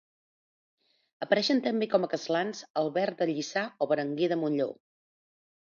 Apareixen també com a castlans Albert de Lliçà o Berenguer de Montlleó.